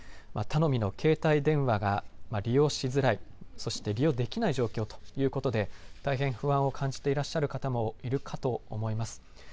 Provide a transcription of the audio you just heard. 頼みの携帯電話が利用しづらい、そして利用できない状況ということで大変不安を感じていらっしゃる方もいるかと思います。